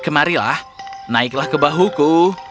kemarilah naiklah ke bahuku